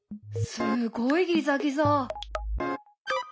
すごいギザギザ。